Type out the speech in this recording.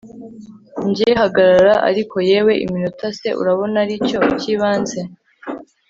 njye hagarara ariko yewe, iminota se urabona aricyo cyibanze